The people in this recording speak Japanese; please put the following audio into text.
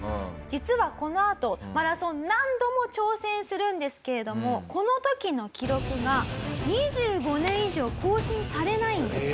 実はこのあとマラソン何度も挑戦するんですけれどもこの時の記録が２５年以上更新されないんです。